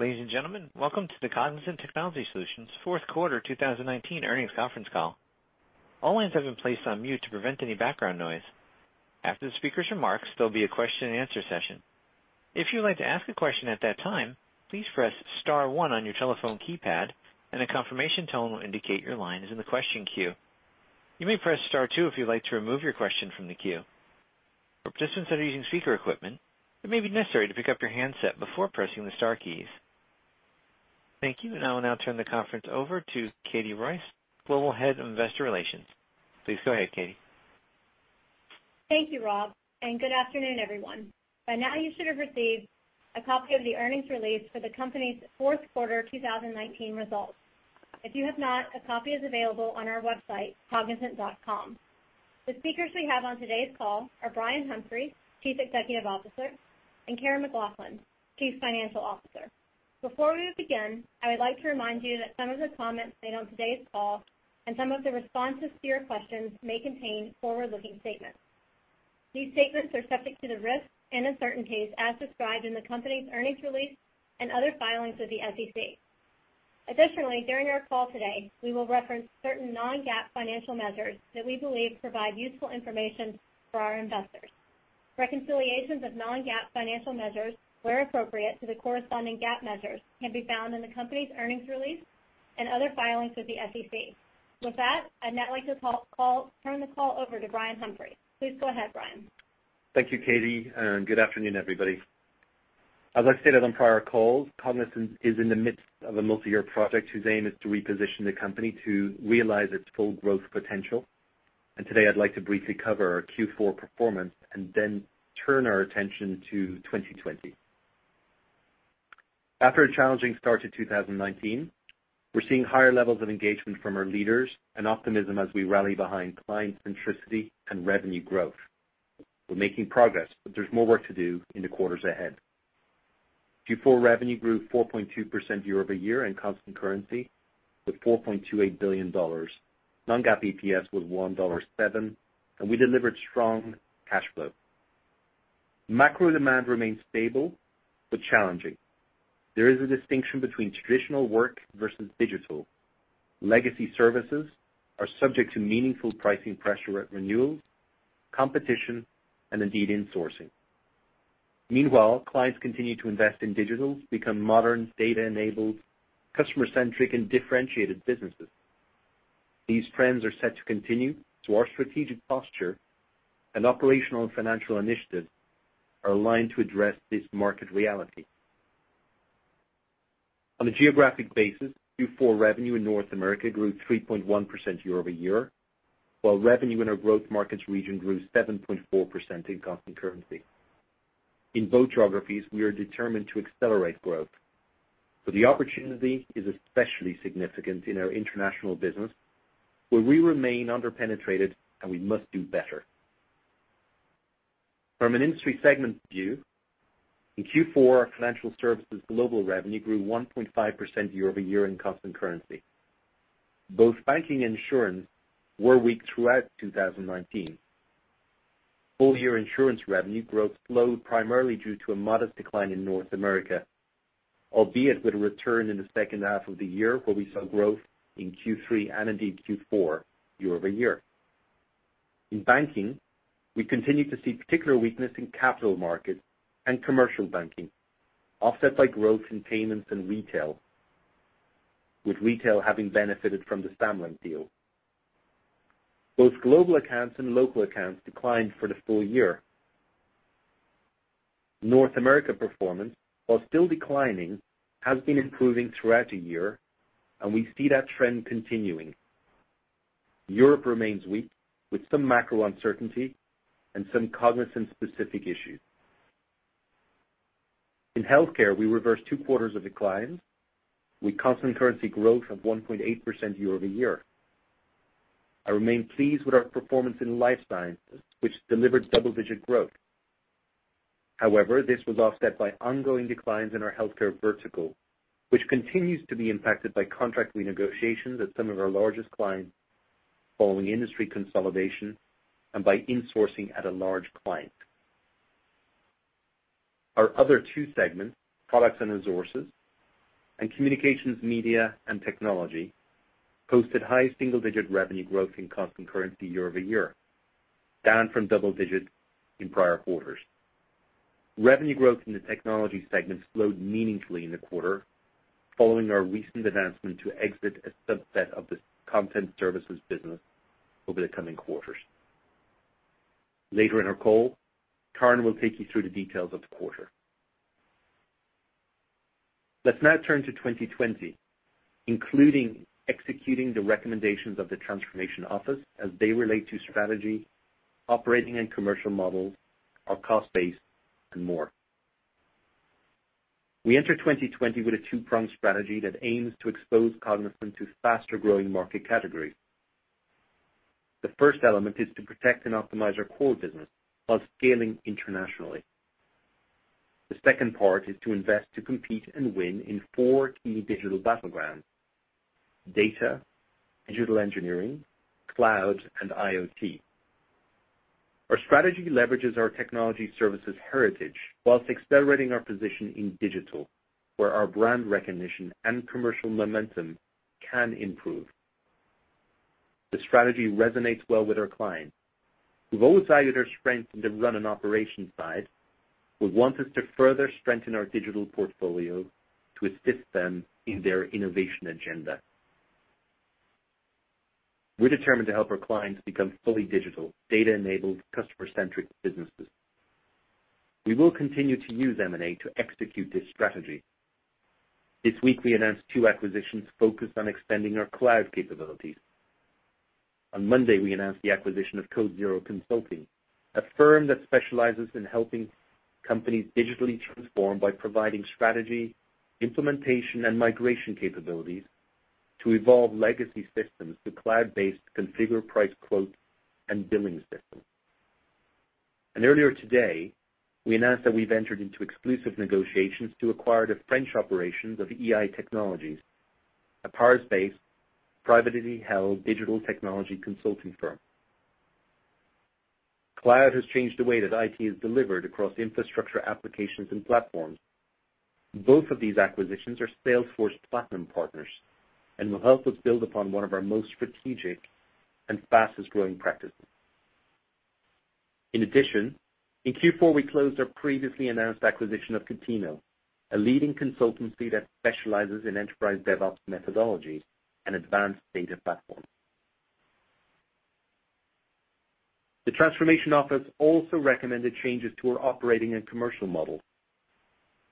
Ladies and gentlemen, welcome to the Cognizant Technology Solutions fourth quarter 2019 earnings conference call. All lines have been placed on mute to prevent any background noise. After the speaker's remarks, there will be a question and answer session. If you would like to ask a question at that time, please press star one on your telephone keypad and a confirmation tone will indicate your line is in the question queue. You may press star two if you would like to remove your question from the queue. For participants that are using speaker equipment, it may be necessary to pick up your handset before pressing the star keys. Thank you. I will now turn the conference over to Katie Royce, Global Head of Investor Relations. Please go ahead, Katie. Thank you, Rob. Good afternoon, everyone. By now you should have received a copy of the earnings release for the company's fourth quarter 2019 results. If you have not, a copy is available on our website, cognizant.com. The speakers we have on today's call are Brian Humphries, Chief Executive Officer, and Karen McLoughlin, Chief Financial Officer. Before we begin, I would like to remind you that some of the comments made on today's call and some of the responses to your questions may contain forward-looking statements. These statements are subject to the risks and uncertainties as described in the company's earnings release and other filings with the SEC. Additionally, during our call today, we will reference certain non-GAAP financial measures that we believe provide useful information for our investors. Reconciliations of non-GAAP financial measures, where appropriate to the corresponding GAAP measures, can be found in the company's earnings release and other filings with the SEC. With that, I'd now like to turn the call over to Brian Humphries. Please go ahead, Brian. Thank you, Katie. Good afternoon, everybody. As I've stated on prior calls, Cognizant is in the midst of a multi-year project whose aim is to reposition the company to realize its full growth potential. Today I'd like to briefly cover our Q4 performance and then turn our attention to 2020. After a challenging start to 2019, we're seeing higher levels of engagement from our leaders and optimism as we rally behind client centricity and revenue growth. We're making progress, but there's more work to do in the quarters ahead. Q4 revenue grew 4.2% year-over-year in constant currency with $4.28 billion. Non-GAAP EPS was $1.7, and we delivered strong cash flow. Macro demand remains stable but challenging. There is a distinction between traditional work versus digital. Legacy services are subject to meaningful pricing pressure at renewals, competition, and indeed insourcing. Meanwhile, clients continue to invest in digital to become modern, data-enabled, customer-centric, and differentiated businesses. These trends are set to continue, so our strategic posture and operational and financial initiatives are aligned to address this market reality. On a geographic basis, Q4 revenue in North America grew 3.1% year-over-year, while revenue in our growth markets region grew 7.4% in constant currency. In both geographies, we are determined to accelerate growth, but the opportunity is especially significant in our international business, where we remain under-penetrated and we must do better. From an industry segment view, in Q4, our financial services global revenue grew 1.5% year-over-year in constant currency. Both banking and insurance were weak throughout 2019. Full-year insurance revenue growth slowed primarily due to a modest decline in North America, albeit with a return in the H2 of the year, where we saw growth in Q3 and indeed Q4 year-over-year. In banking, we continued to see particular weakness in capital markets and commercial banking, offset by growth in payments and retail, with retail having benefited from the Samlink deal. Both global accounts and local accounts declined for the full year. North America performance, while still declining, has been improving throughout the year, and we see that trend continuing. Europe remains weak, with some macro uncertainty and some Cognizant-specific issues. In healthcare, we reversed two quarters of decline with constant currency growth of 1.8% year-over-year. I remain pleased with our performance in life sciences, which delivered double-digit growth. However, this was offset by ongoing declines in our healthcare vertical, which continues to be impacted by contract renegotiations at some of our largest clients following industry consolidation and by insourcing at a large client. Our other two segments, Products and Resources and Communications, Media, and Technology, posted high single-digit revenue growth in constant currency year-over-year, down from double digits in prior quarters. Revenue growth in the technology segment slowed meaningfully in the quarter following our recent announcement to exit a subset of the content services business over the coming quarters. Later in our call, Karen will take you through the details of the quarter. Let's now turn to 2020, including executing the recommendations of the transformation office as they relate to strategy, operating and commercial models, our cost base, and more. We enter 2020 with a two-pronged strategy that aims to expose Cognizant to faster-growing market categories. The first element is to protect and optimize our core business while scaling internationally. The second part is to invest to compete and win in four key digital battlegrounds: data, digital engineering, Cloud, and IoT. Our strategy leverages our technology services heritage whilst accelerating our position in digital, where our brand recognition and commercial momentum can improve. The strategy resonates well with our clients, who've always valued our strength in the run and operations side, but want us to further strengthen our digital portfolio to assist them in their innovation agenda. We're determined to help our clients become fully digital, data-enabled, customer-centric businesses. We will continue to use M&A to execute this strategy. This week, we announced two acquisitions focused on expanding our cloud capabilities. On Monday, we announced the acquisition of Code Zero Consulting, a firm that specializes in helping companies digitally transform by providing strategy, implementation, and migration capabilities to evolve legacy systems to cloud-based configure, price, quote, and billing systems. Earlier today, we announced that we've entered into exclusive negotiations to acquire the French operations of EI-Technologies, a Paris-based, privately held digital technology consulting firm. Cloud has changed the way that IT is delivered across infrastructure, applications, and platforms. Both of these acquisitions are Salesforce Platinum partners and will help us build upon one of our most strategic and fastest-growing practices. In addition, in Q4, we closed our previously announced acquisition of Contino, a leading consultancy that specializes in enterprise DevOps methodologies and advanced data platforms. The transformation office also recommended changes to our operating and commercial model.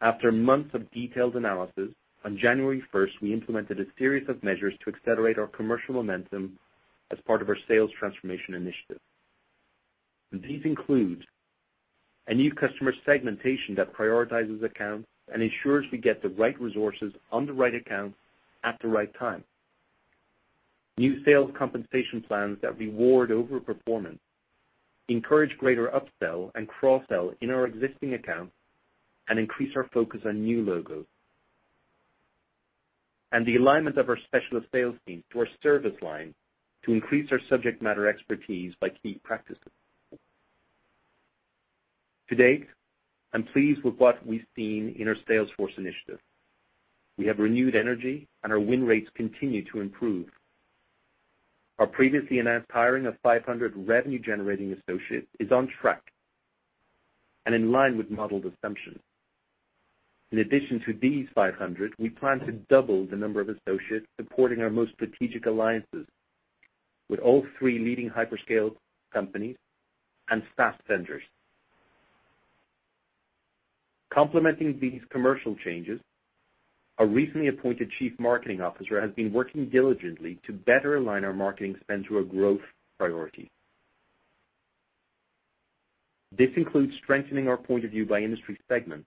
After months of detailed analysis, on January 1st, we implemented a series of measures to accelerate our commercial momentum as part of our sales transformation initiative. These include a new customer segmentation that prioritizes accounts and ensures we get the right resources on the right accounts at the right time. New sales compensation plans that reward over-performance, encourage greater upsell and cross-sell in our existing accounts, increase our focus on new logos. The alignment of our specialist sales teams to our service line to increase our subject matter expertise by key practices. To date, I'm pleased with what we've seen in our Salesforce initiative. We have renewed energy, and our win rates continue to improve. Our previously announced hiring of 500 revenue-generating associates is on track and in line with modeled assumptions. In addition to these 500, we plan to double the number of associates supporting our most strategic alliances with all three leading hyperscale companies and SaaS vendors. Complementing these commercial changes, a recently appointed chief marketing officer has been working diligently to better align our marketing spend to our growth priorities. This includes strengthening our point of view by industry segment,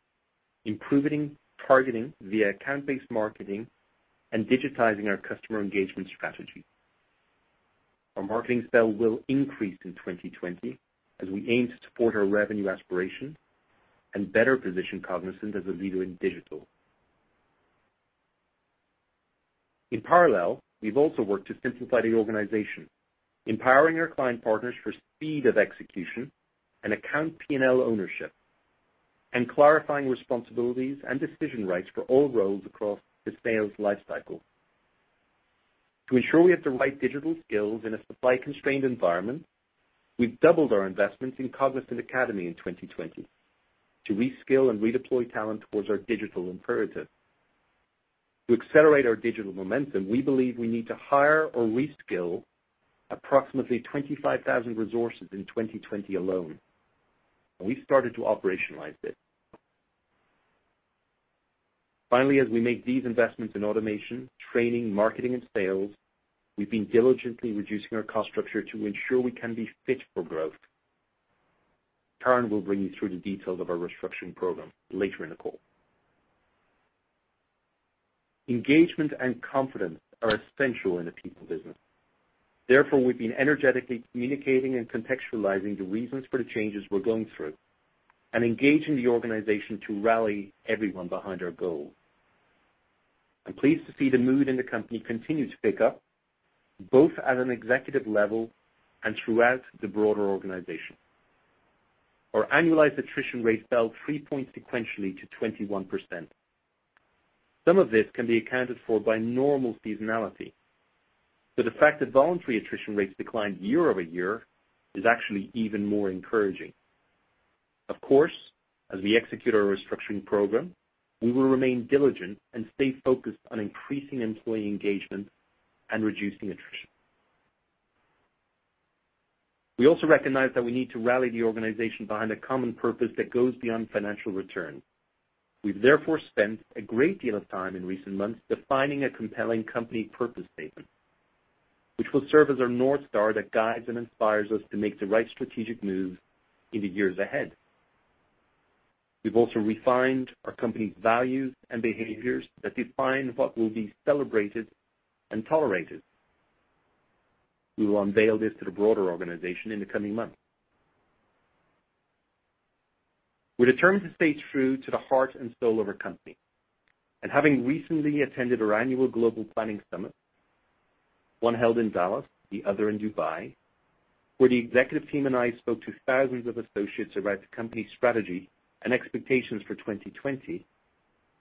improving targeting via account-based marketing, and digitizing our customer engagement strategy. Our marketing spend will increase in 2020 as we aim to support our revenue aspiration and better position Cognizant as a leader in digital. In parallel, we've also worked to simplify the organization, empowering our client partners for speed of execution and account P&L ownership, and clarifying responsibilities and decision rights for all roles across the sales life cycle. To ensure we have the right digital skills in a supply-constrained environment, we've doubled our investments in Cognizant Academy in 2020 to reskill and redeploy talent towards our digital imperative. To accelerate our digital momentum, we believe we need to hire or reskill approximately 25,000 resources in 2020 alone, and we started to operationalize this. Finally, as we make these investments in automation, training, marketing, and sales, we've been diligently reducing our cost structure to ensure we can be Fit for Growth. Karen will bring you through the details of our restructuring program later in the call. Engagement and confidence are essential in a people business. We've been energetically communicating and contextualizing the reasons for the changes we're going through and engaging the organization to rally everyone behind our goal. I'm pleased to see the mood in the company continue to pick up, both at an executive level and throughout the broader organization. Our annualized attrition rate fell three points sequentially to 21%. Some of this can be accounted for by normal seasonality, but the fact that voluntary attrition rates declined year-over-year is actually even more encouraging. Of course, as we execute our restructuring program, we will remain diligent and stay focused on increasing employee engagement and reducing attrition. We also recognize that we need to rally the organization behind a common purpose that goes beyond financial return. We've therefore spent a great deal of time in recent months defining a compelling company purpose statement, which will serve as our North Star that guides and inspires us to make the right strategic moves in the years ahead. We've also refined our company's values and behaviors that define what will be celebrated and tolerated. We will unveil this to the broader organization in the coming months. We're determined to stay true to the heart and soul of our company. Having recently attended our annual global planning summit, one held in Dallas, the other in Dubai, where the executive team and I spoke to thousands of associates about the company's strategy and expectations for 2020,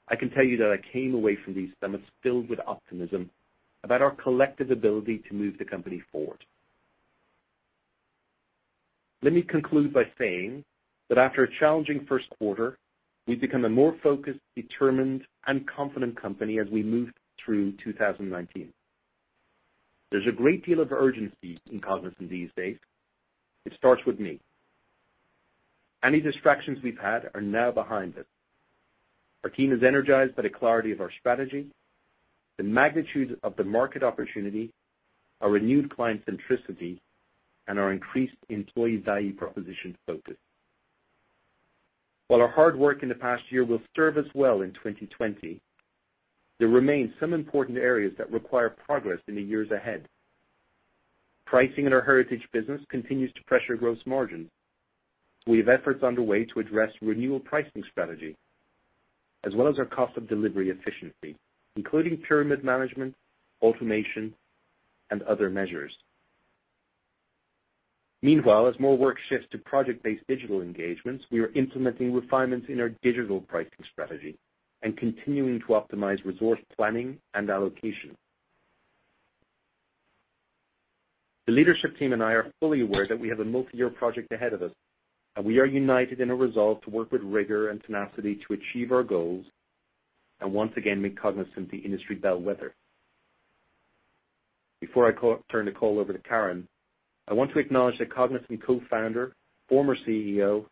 I can tell you that I came away from these summits filled with optimism about our collective ability to move the company forward. Let me conclude by saying that after a challenging first quarter, we've become a more focused, determined, and confident company as we move through 2019. There's a great deal of urgency in Cognizant these days. It starts with me. Any distractions we've had are now behind us. Our team is energized by the clarity of our strategy, the magnitude of the market opportunity, our renewed client centricity, and our increased employee value proposition focus. While our hard work in the past year will serve us well in 2020, there remain some important areas that require progress in the years ahead. Pricing in our heritage business continues to pressure gross margin. We have efforts underway to address renewal pricing strategy, as well as our cost of delivery efficiency, including pyramid management, automation, and other measures. Meanwhile, as more work shifts to project-based digital engagements, we are implementing refinements in our digital pricing strategy and continuing to optimize resource planning and allocation. The leadership team and I are fully aware that we have a multi-year project ahead of us, and we are united in a resolve to work with rigor and tenacity to achieve our goals and once again make Cognizant the industry bellwether. Before I turn the call over to Karen, I want to acknowledge that Cognizant co-founder, former CEO,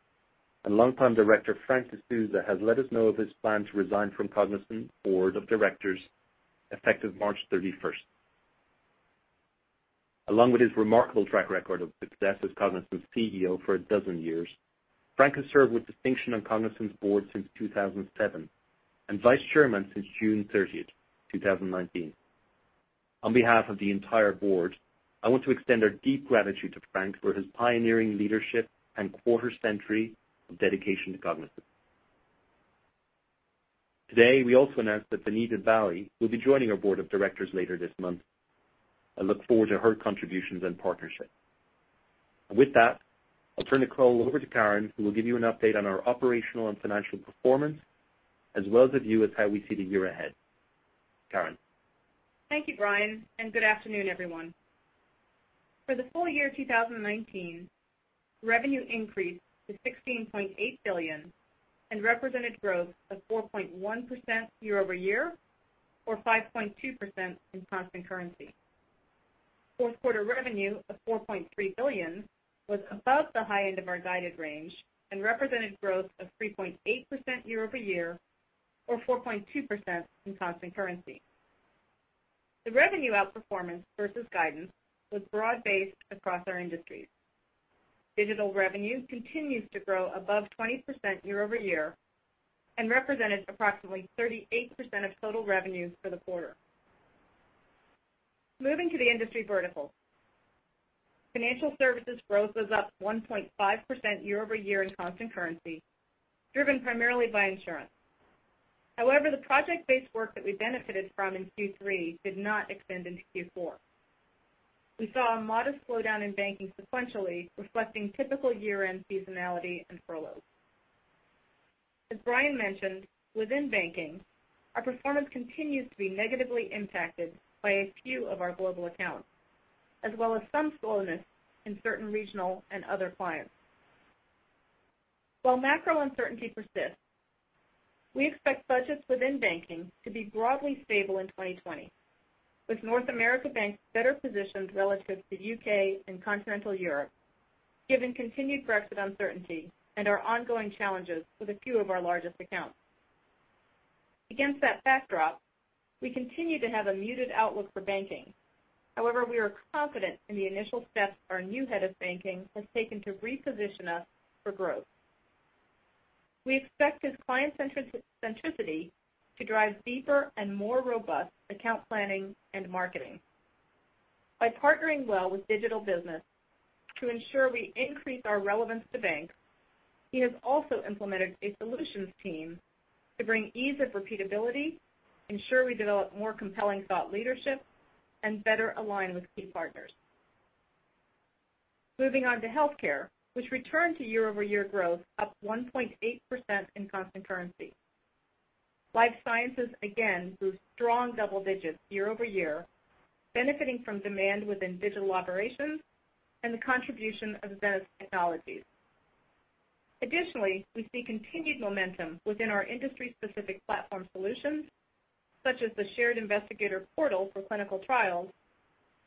and longtime director, Frank D'Souza, has let us know of his plan to resign from Cognizant board of directors effective March 31st. Along with his remarkable track record of success as Cognizant's CEO for 12 years, Frank has served with distinction on Cognizant's board since 2007, and Vice Chairman since June 30th, 2019. On behalf of the entire board, I want to extend our deep gratitude to Frank for his pioneering leadership and quarter-century of dedication to Cognizant. Today, we also announce that Vinita Bali will be joining our board of directors later this month. I look forward to her contributions and partnership. With that, I'll turn the call over to Karen, who will give you an update on our operational and financial performance, as well as a view as how we see the year ahead. Karen? Thank you, Brian, and good afternoon, everyone. For the full year 2019, revenue increased to $16.8 billion and represented growth of 4.1% year-over-year, or 5.2% in constant currency. Fourth quarter revenue of $4.3 billion was above the high end of our guided range and represented growth of 3.8% year-over-year, or 4.2% in constant currency. The revenue outperformance versus guidance was broad-based across our industries. Digital revenue continues to grow above 20% year-over-year and represented approximately 38% of total revenues for the quarter. Moving to the industry vertical. Financial services growth was up 1.5% year-over-year in constant currency, driven primarily by insurance. However, the project-based work that we benefited from in Q3 did not extend into Q4. We saw a modest slowdown in banking sequentially, reflecting typical year-end seasonality and furloughs. As Brian mentioned, within banking, our performance continues to be negatively impacted by a few of our global accounts, as well as some slowness in certain regional and other clients. While macro uncertainty persists, we expect budgets within banking to be broadly stable in 2020, with North America banks better positioned relative to U.K. and continental Europe, given continued Brexit uncertainty and our ongoing challenges with a few of our largest accounts. Against that backdrop, we continue to have a muted outlook for banking. However, we are confident in the initial steps our new head of banking has taken to reposition us for growth. We expect his client centricity to drive deeper and more robust account planning and marketing. By partnering well with digital business to ensure we increase our relevance to banks, he has also implemented a solutions team to bring ease of repeatability, ensure we develop more compelling thought leadership, and better align with key partners. Moving on to healthcare, which returned to year-over-year growth, up 1.8% in constant currency. Life sciences, again, grew strong double digits year-over-year, benefiting from demand within digital operations and the contribution of Zenith Technologies. Additionally, we see continued momentum within our industry-specific platform solutions, such as the shared investigator portal for clinical trials,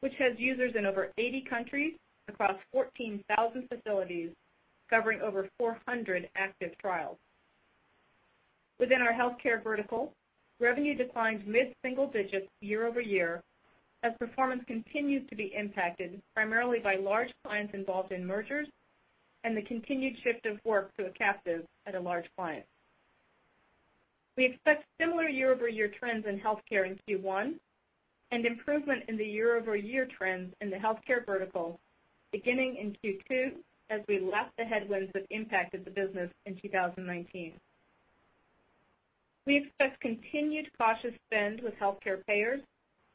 which has users in over 80 countries across 14,000 facilities, covering over 400 active trials. Within our healthcare vertical, revenue declines mid-single digits year-over-year as performance continues to be impacted primarily by large clients involved in mergers and the continued shift of work to a captive at a large client. We expect similar year-over-year trends in healthcare in Q1 and improvement in the year-over-year trends in the healthcare vertical beginning in Q2 as we lap the headwinds that impacted the business in 2019. We expect continued cautious spend with healthcare payers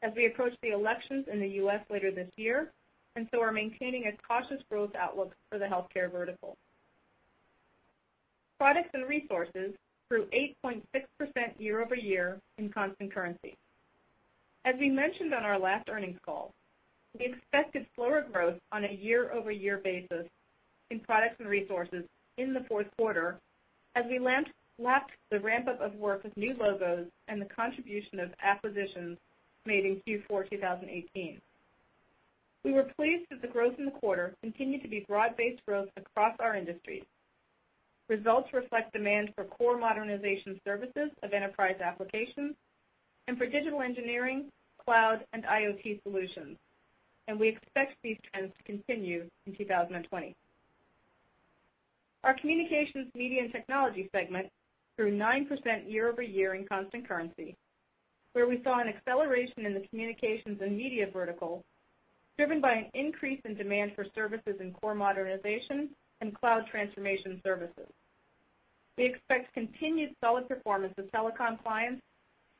as we approach the elections in the U.S. later this year, and so are maintaining a cautious growth outlook for the healthcare vertical. Products and resources grew 8.6% year-over-year in constant currency. As we mentioned on our last earnings call, we expected slower growth on a year-over-year basis in Products and Resources in the fourth quarter as we lapped the ramp-up of work with new logos and the contribution of acquisitions made in Q4 2018. We were pleased that the growth in the quarter continued to be broad-based growth across our industries. Results reflect demand for core modernization services of enterprise applications and for digital engineering, Cloud, and IoT solutions, and we expect these trends to continue in 2020. Our Communications, Media, and Technology segment grew 9% year-over-year in constant currency, where we saw an acceleration in the communications and media vertical, driven by an increase in demand for services in core modernization and Cloud transformation services. We expect continued solid performance with telecom clients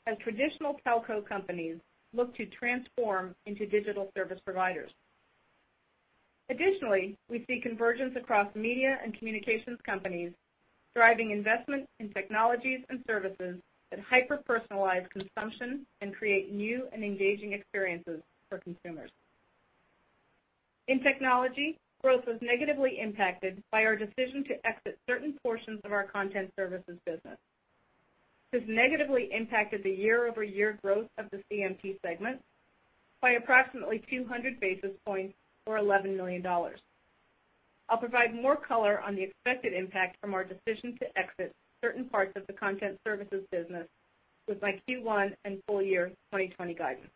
as traditional telco companies look to transform into digital service providers. Additionally, we see convergence across media and communications companies driving investment in technologies and services that hyper-personalize consumption and create new and engaging experiences for consumers. In technology, growth was negatively impacted by our decision to exit certain portions of our content services business. This negatively impacted the year-over-year growth of the CMT segment by approximately 200 basis points or $11 million. I'll provide more color on the expected impact from our decision to exit certain parts of the content services business with my Q1 and full-year 2020 guidance.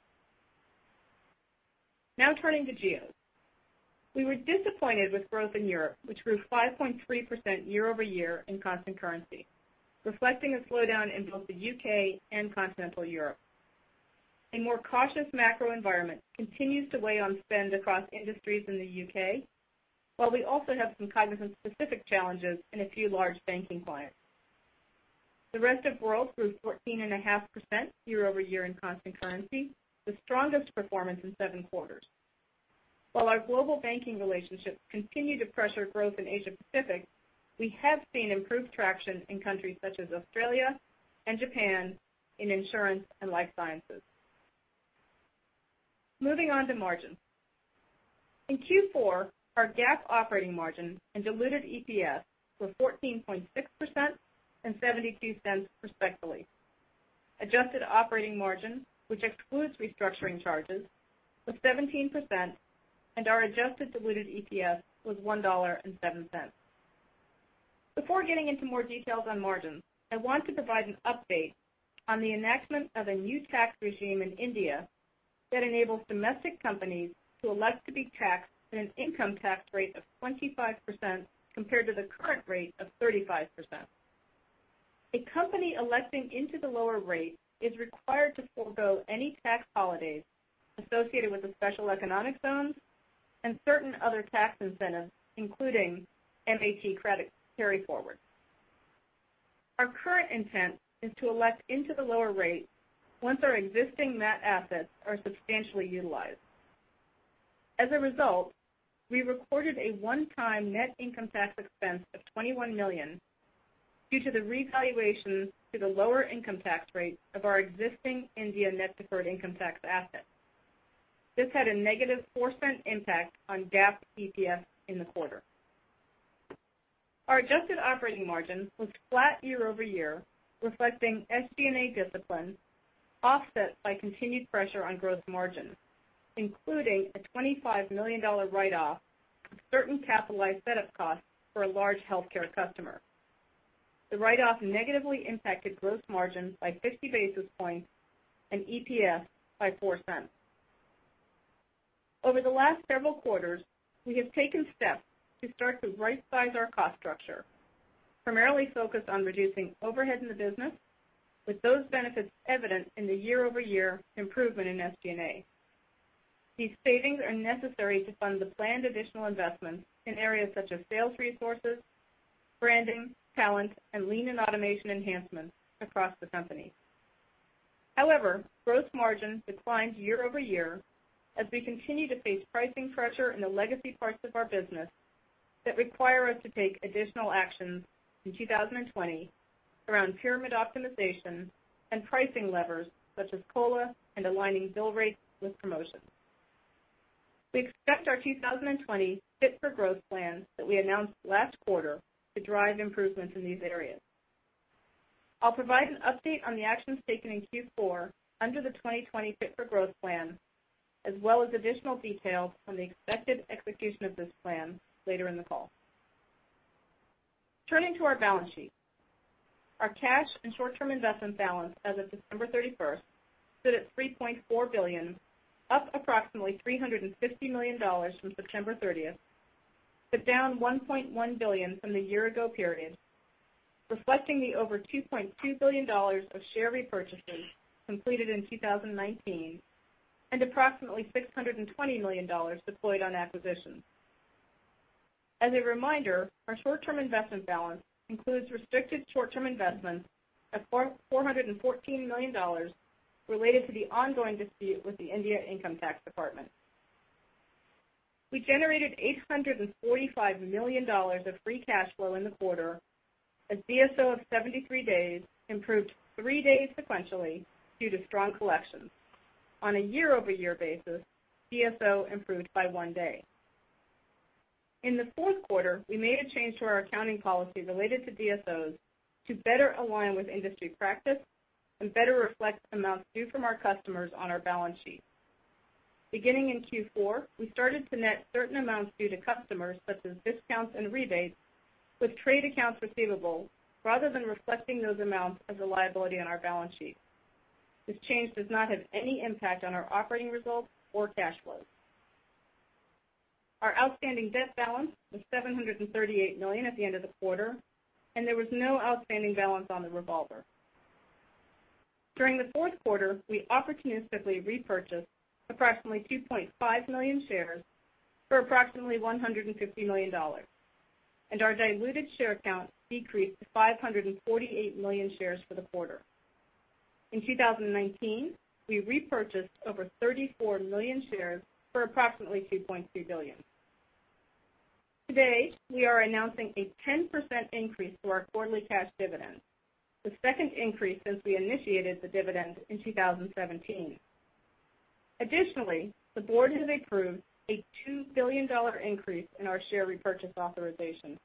Now turning to geo. We were disappointed with growth in Europe, which grew 5.3% year-over-year in constant currency, reflecting a slowdown in both the U.K. and continental Europe. A more cautious macro environment continues to weigh on spend across industries in the U.K., while we also have some Cognizant-specific challenges in a few large banking clients. The rest of growth grew 14.5% year-over-year in constant currency, the strongest performance in seven quarters. While our global banking relationships continue to pressure growth in Asia Pacific, we have seen improved traction in countries such as Australia and Japan in insurance and life sciences. Moving on to margins. In Q4, our GAAP operating margin and diluted EPS were 14.6% and $0.72 respectively. Adjusted operating margin, which excludes restructuring charges, was 17%, and our adjusted diluted EPS was $1.07. Before getting into more details on margins, I want to provide an update on the enactment of a new tax regime in India that enables domestic companies to elect to be taxed at an income tax rate of 25% compared to the current rate of 35%. A company electing into the lower rate is required to forego any tax holidays associated with the special economic zones and certain other tax incentives, including MAT credit carry-forward. Our current intent is to elect into the lower rate once our existing MAT assets are substantially utilized. As a result, we recorded a one-time net income tax expense of $21 million due to the revaluation to the lower income tax rate of our existing India net deferred income tax assets. This had a -$0.04 impact on GAAP EPS in the quarter. Our adjusted operating margin was flat year-over-year, reflecting SG&A discipline offset by continued pressure on gross margins, including a $25 million write-off of certain capitalized setup costs for a large healthcare customer. The write-off negatively impacted gross margins by 50 basis points and EPS by $0.04. Over the last several quarters, we have taken steps to start to right-size our cost structure, primarily focused on reducing overhead in the business with those benefits evident in the year-over-year improvement in SG&A. These savings are necessary to fund the planned additional investments in areas such as sales resources, branding, talent, and lean-in automation enhancements across the company. However, growth margins declined year-over-year as we continue to face pricing pressure in the legacy parts of our business that require us to take additional actions in 2020 around pyramid optimization and pricing levers such as COLA and aligning bill rates with promotions. We expect our 2020 Fit for Growth Plan that we announced last quarter to drive improvements in these areas. I'll provide an update on the actions taken in Q4 under the 2020 Fit for Growth Plan, as well as additional details on the expected execution of this plan later in the call. Turning to our balance sheet. Our cash and short-term investment balance as of December 31st stood at $3.4 billion, up approximately $350 million from September 30th. Down $1.1 billion from the year ago period, reflecting the over $2.2 billion of share repurchases completed in 2019 and approximately $620 million deployed on acquisitions. As a reminder, our short-term investment balance includes restricted short-term investments of $414 million related to the ongoing dispute with the India Income Tax Department. We generated $845 million of free cash flow in the quarter. A DSO of 73 days improved three days sequentially due to strong collections. On a year-over-year basis, DSO improved by one day. In the fourth quarter, we made a change to our accounting policy related to DSOs to better align with industry practice and better reflect amounts due from our customers on our balance sheet. Beginning in Q4, we started to net certain amounts due to customers, such as discounts and rebates, with trade accounts receivable, rather than reflecting those amounts as a liability on our balance sheet. This change does not have any impact on our operating results or cash flows. Our outstanding debt balance was $738 million at the end of the quarter, and there was no outstanding balance on the revolver. During the fourth quarter, we opportunistically repurchased approximately 2.5 million shares for approximately $150 million, and our diluted share count decreased to 548 million shares for the quarter. In 2019, we repurchased over 34 million shares for approximately $2.2 billion. Today, we are announcing a 10% increase to our quarterly cash dividend, the second increase since we initiated the dividend in 2017. Additionally, the board has approved a $2 billion increase in our share repurchase authorization.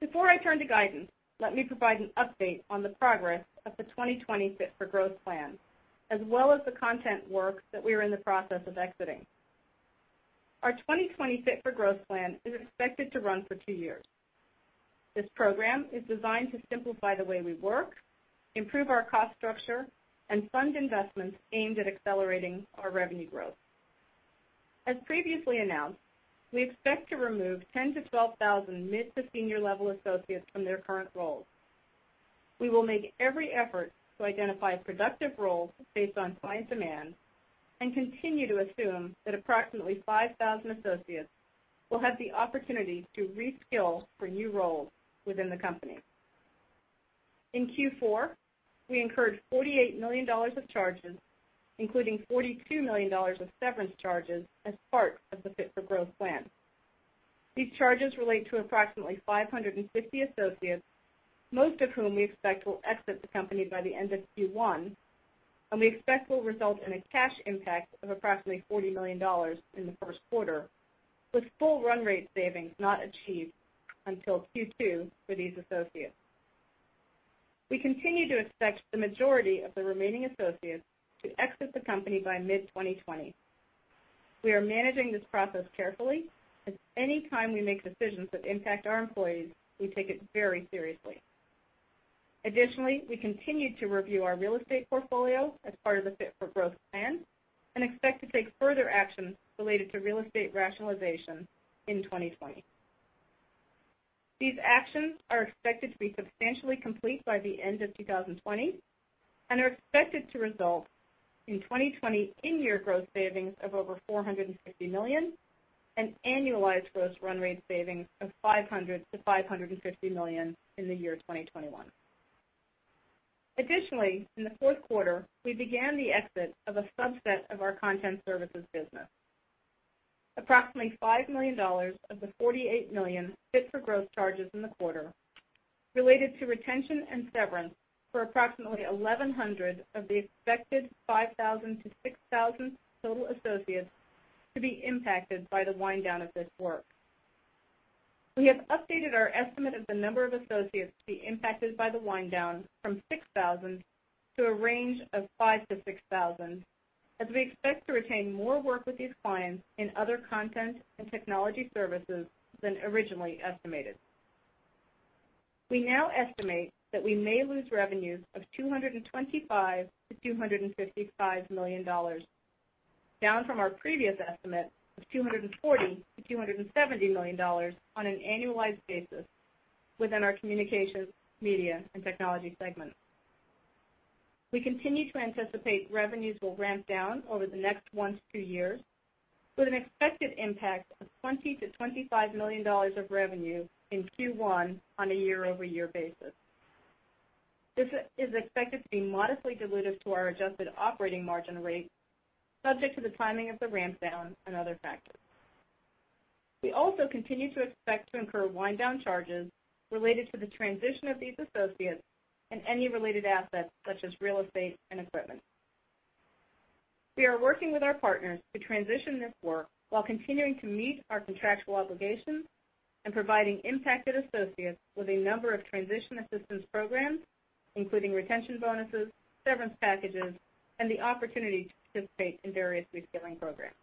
Before I turn to guidance, let me provide an update on the progress of the 2020 Fit for Growth Plan, as well as the content work that we are in the process of exiting. Our 2020 Fit for Growth Plan is expected to run for two years. This program is designed to simplify the way we work, improve our cost structure, and fund investments aimed at accelerating our revenue growth. As previously announced, we expect to remove 10,000-12,000 mid to senior-level associates from their current roles. We will make every effort to identify productive roles based on client demand and continue to assume that approximately 5,000 associates will have the opportunity to reskill for new roles within the company. In Q4, we incurred $48 million of charges, including $42 million of severance charges as part of the Fit for Growth Plan. These charges relate to approximately 550 associates, most of whom we expect will exit the company by the end of Q1, and we expect will result in a cash impact of approximately $40 million in the first quarter, with full run rate savings not achieved until Q2 for these associates. We continue to expect the majority of the remaining associates to exit the company by mid-2020. We are managing this process carefully, as any time we make decisions that impact our employees, we take it very seriously. Additionally, we continue to review our real estate portfolio as part of the Fit for Growth Plan and expect to take further actions related to real estate rationalization in 2020. These actions are expected to be substantially complete by the end of 2020 and are expected to result in 2020 in-year growth savings of over $450 million and annualized growth run rate savings of $500 million-$550 million in the year 2021. Additionally, in the fourth quarter, we began the exit of a subset of our content services business. Approximately $5 million of the $48 million Fit for Growth charges in the quarter related to retention and severance for approximately 1,100 of the expected 5,000-6,000 total associates to be impacted by the wind down of this work. We have updated our estimate of the number of associates to be impacted by the wind down from 6,000 to a range of 5,000-6,000, as we expect to retain more work with these clients in other content and technology services than originally estimated. We now estimate that we may lose revenues of $225 million-$255 million, down from our previous estimate of $240 million-$270 million on an annualized basis within our communications, media, and technology segments. We continue to anticipate revenues will ramp down over the next one to two years with an expected impact of $20 million-$25 million of revenue in Q1 on a year-over-year basis. This is expected to be modestly dilutive to our adjusted operating margin rate, subject to the timing of the ramp down and other factors. We also continue to expect to incur wind down charges related to the transition of these associates and any related assets, such as real estate and equipment. We are working with our partners to transition this work while continuing to meet our contractual obligations and providing impacted associates with a number of transition assistance programs, including retention bonuses, severance packages, and the opportunity to participate in various reskilling programs.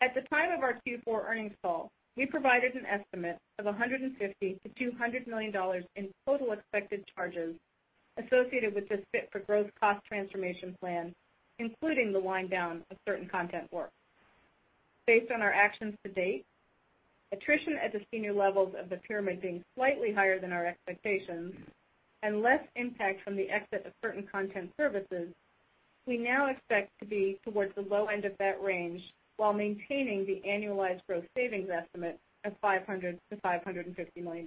At the time of our Q4 earnings call, we provided an estimate of $150 million-$200 million in total expected charges associated with this Fit for Growth cost transformation plan, including the wind down of certain content work. Based on our actions to date, attrition at the senior levels of the pyramid being slightly higher than our expectations, and less impact from the exit of certain content services, we now expect to be towards the low end of that range while maintaining the annualized growth savings estimate of $500 million-$550 million.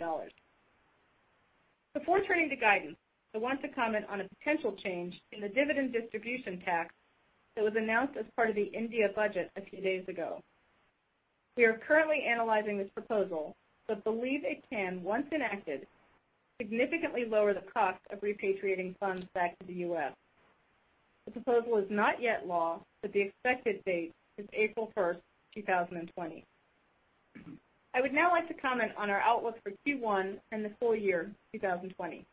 Before turning to guidance, I want to comment on a potential change in the dividend distribution tax that was announced as part of the India budget a few days ago. We are currently analyzing this proposal, but believe it can, once enacted, significantly lower the cost of repatriating funds back to the U.S. The proposal is not yet law, but the expected date is April 1st, 2020. I would now like to comment on our outlook for Q1 and the full year 2020.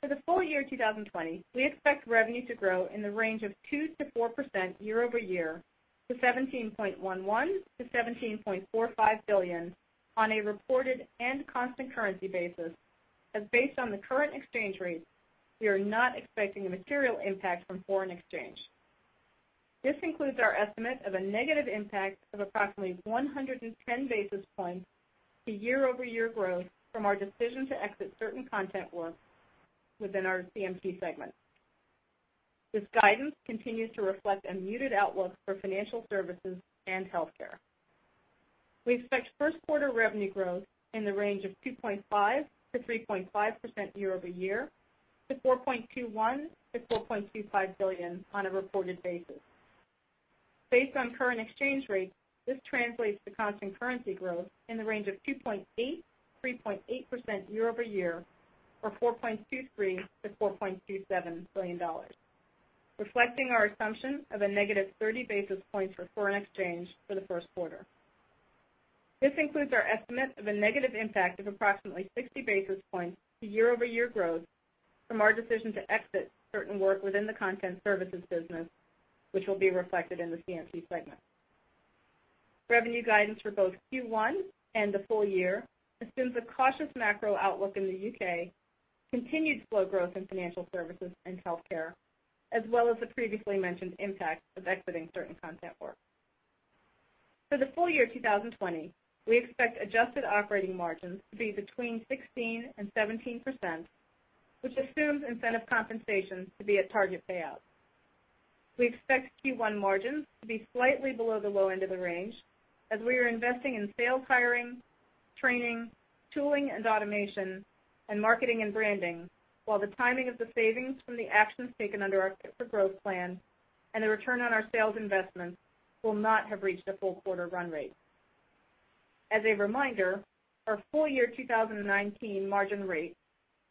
For the full year 2020, we expect revenue to grow in the range of 2%-4% year-over-year to $17.11 billion-$17.45 billion on a reported and constant currency basis as based on the current exchange rates, we are not expecting a material impact from foreign exchange. This includes our estimate of a negative impact of approximately 110 basis points to year-over-year growth from our decision to exit certain content work within our CMT segment. This guidance continues to reflect a muted outlook for financial services and healthcare. We expect first quarter revenue growth in the range of 2.5%-3.5% year-over-year to $4.21 billion-$4.25 billion on a reported basis. Based on current exchange rates, this translates to constant currency growth in the range of 2.8%-3.8% year-over-year, or $4.23 billion-$4.27 billion, reflecting our assumption of a negative 30 basis points for foreign exchange for the first quarter. This includes our estimate of a negative impact of approximately 60 basis points to year-over-year growth from our decision to exit certain work within the content services business, which will be reflected in the CMT segment. Revenue guidance for both Q1 and the full year assumes a cautious macro outlook in the U.K., continued slow growth in financial services and healthcare, as well as the previously mentioned impact of exiting certain content work. For the full year 2020, we expect adjusted operating margins to be between 16%-17%, which assumes incentive compensation to be at target payout. We expect Q1 margins to be slightly below the low end of the range, as we are investing in sales hiring, training, tooling and automation, and marketing and branding, while the timing of the savings from the actions taken under our Fit for Growth Plan and the return on our sales investments will not have reached a full quarter run rate. As a reminder, our full year 2019 margin rate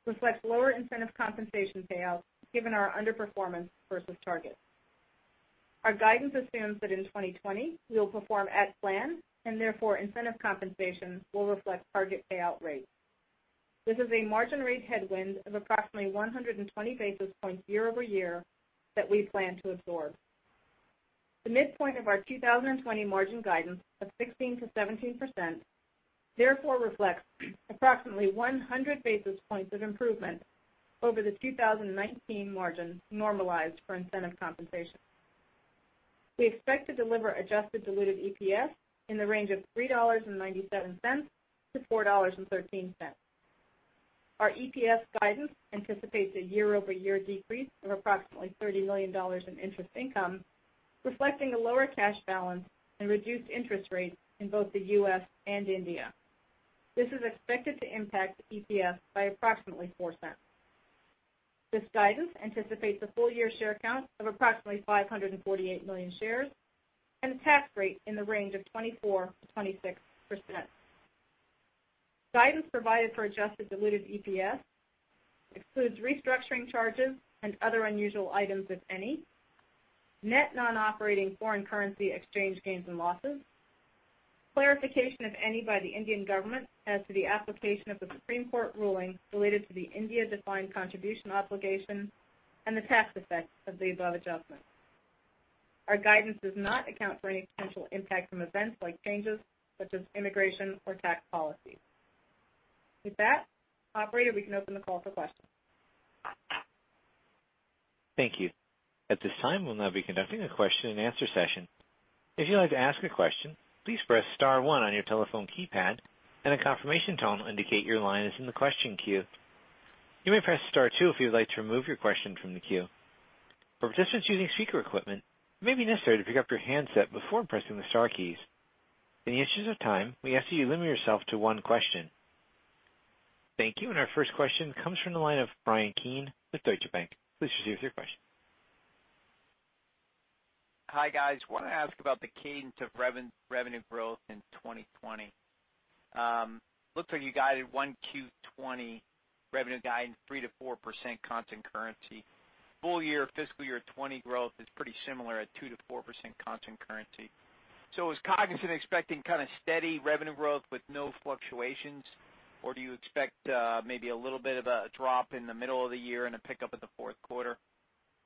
reflects lower incentive compensation payouts given our underperformance versus targets. Our guidance assumes that in 2020, we will perform at plan and therefore incentive compensation will reflect target payout rates. This is a margin rate headwind of approximately 120 basis points year-over-year that we plan to absorb. The midpoint of our 2020 margin guidance of 16%-17% therefore reflects approximately 100 basis points of improvement over the 2019 margin normalized for incentive compensation. We expect to deliver adjusted diluted EPS in the range of $3.97-$4.13. Our EPS guidance anticipates a year-over-year decrease of approximately $30 million in interest income, reflecting a lower cash balance and reduced interest rates in both the U.S. and India. This is expected to impact EPS by approximately $0.04. This guidance anticipates a full-year share count of approximately 548 million shares and a tax rate in the range of 24%-26%. Guidance provided for adjusted diluted EPS excludes restructuring charges and other unusual items, if any, net non-operating foreign currency exchange gains and losses, clarification of any by the Indian government as to the application of the Supreme Court ruling related to the India-defined contribution obligation, and the tax effects of the above adjustments. Our guidance does not account for any potential impact from events like changes such as immigration or tax policy. With that, operator, we can open the call for questions. Thank you. At this time, we'll now be conducting a question and answer session. If you'd like to ask a question, please press star one on your telephone keypad, and a confirmation tone will indicate your line is in the question queue. You may press star two if you would like to remove your question from the queue. For participants using speaker equipment, it may be necessary to pick up your handset before pressing the star keys. In the interest of time, we ask that you limit yourself to one question. Thank you. Our first question comes from the line of Bryan Keane with Deutsche Bank. Please proceed with your question. Hi, guys. Wanted to ask about the cadence of revenue growth in 2020. Looks like you guided 1Q 2020 revenue guidance 3%-4% constant currency. Full year FY 2020 growth is pretty similar at 2%-4% constant currency. Is Cognizant expecting steady revenue growth with no fluctuations, or do you expect maybe a little bit of a drop in the middle of the year and a pickup at the fourth quarter?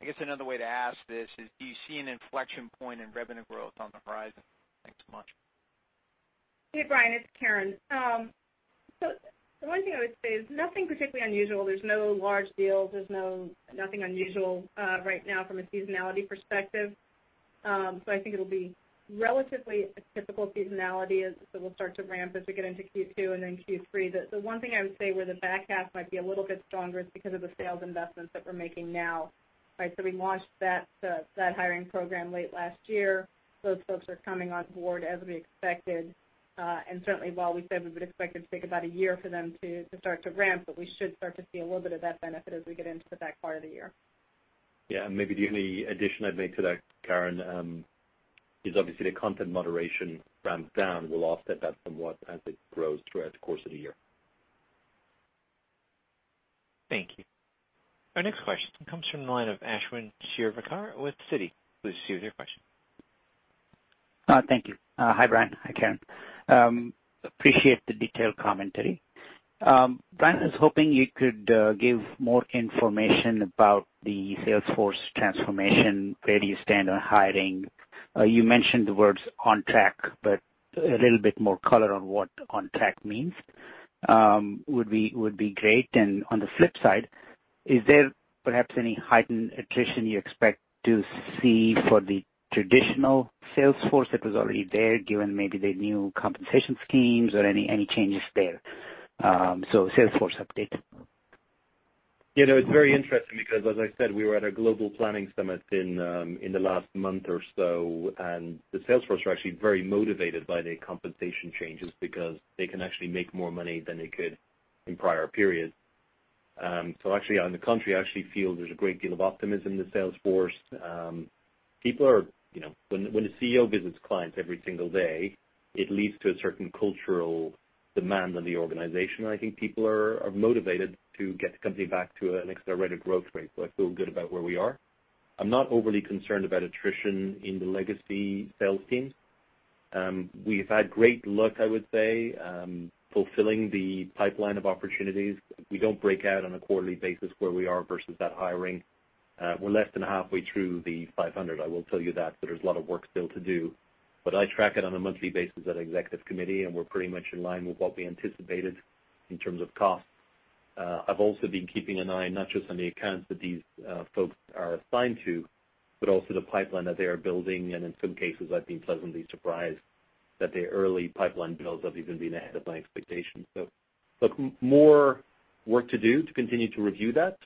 I guess another way to ask this is, do you see an inflection point in revenue growth on the horizon? Thanks so much. Hey, Brian, it's Karen. The one thing I would say is nothing particularly unusual. There's no large deals. There's nothing unusual right now from a seasonality perspective. I think it'll be relatively a typical seasonality as we'll start to ramp as we get into Q2 and then Q3. The one thing I would say where the back half might be a little bit stronger is because of the sales investments that we're making now. We launched that hiring program late last year. Those folks are coming on board as we expected. Certainly, while we said we would expect it to take about a year for them to start to ramp, but we should start to see a little bit of that benefit as we get into the back part of the year. Yeah. Maybe the only addition I'd make to that, Karen, is obviously the content moderation ramps down. We'll offset that somewhat as it grows throughout the course of the year. Thank you. Our next question comes from the line of Ashwin Shirvaikar with Citi. Please proceed with your question. Thank you. Hi, Brian. Hi, Karen. Appreciate the detailed commentary. Brian, I was hoping you could give more information about the Salesforce transformation, where do you stand on hiring? You mentioned the words "on track," but a little bit more color on what on track means would be great. On the flip side, is there perhaps any heightened attrition you expect to see for the traditional Salesforce that was already there, given maybe the new compensation schemes or any changes there? Salesforce update. It's very interesting because, as I said, we were at a global planning summit in the last month or so. The Salesforce are actually very motivated by the compensation changes because they can actually make more money than they could in prior periods. Actually, on the contrary, I actually feel there's a great deal of optimism in the Salesforce. When the CEO visits clients every single day, it leads to a certain cultural demand on the organization, and I think people are motivated to get the company back to an accelerated growth rate. I feel good about where we are. I'm not overly concerned about attrition in the legacy sales team. We've had great luck, I would say, fulfilling the pipeline of opportunities. We don't break out on a quarterly basis where we are versus that hiring. We're less than halfway through the 500, I will tell you that. There's a lot of work still to do. I track it on a monthly basis at Executive Committee, and we're pretty much in line with what we anticipated in terms of costs. I've also been keeping an eye, not just on the accounts that these folks are assigned to, but also the pipeline that they are building, and in some cases, I've been pleasantly surprised that the early pipeline builds have even been ahead of my expectations. Look, more work to do to continue to review that.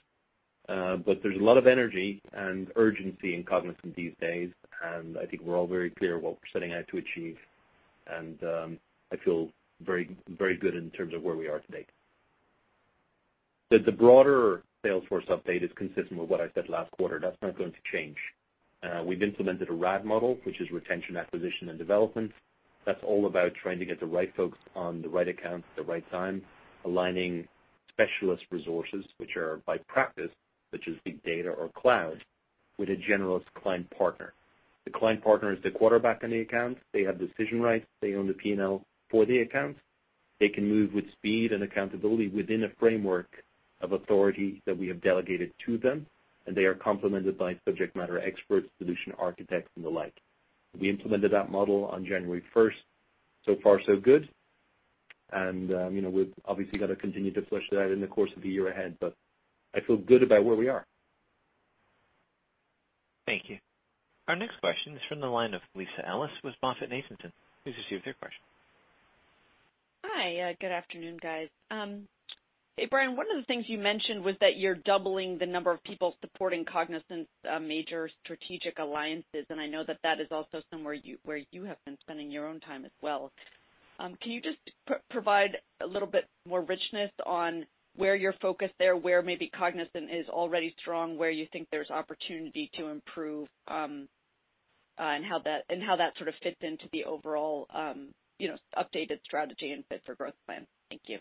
There's a lot of energy and urgency in Cognizant these days, and I think we're all very clear what we're setting out to achieve. I feel very good in terms of where we are today. The broader Salesforce update is consistent with what I said last quarter. That's not going to change. We've implemented a RAD model, which is retention, acquisition, and development. That's all about trying to get the right folks on the right accounts at the right time, aligning specialist resources, which are by practice, such as big data or cloud, with a generalist client partner. The client partner is the quarterback on the account. They have decision rights. They own the P&L for the account. They can move with speed and accountability within a framework of authority that we have delegated to them, and they are complemented by subject matter experts, solution architects, and the like. We implemented that model on January 1st, so far so good. We've obviously got to continue to flush that out in the course of the year ahead, but I feel good about where we are. Thank you. Our next question is from the line of Lisa Ellis with MoffettNathanson. Please proceed with your question. Hi. Good afternoon, guys. Hey, Brian, one of the things you mentioned was that you're doubling the number of people supporting Cognizant's major strategic alliances, and I know that that is also somewhere where you have been spending your own time as well. Can you just provide a little bit more richness on where you're focused there, where maybe Cognizant is already strong, where you think there's opportunity to improve, and how that sort of fits into the overall updated strategy and Fit for Growth plan? Thank you.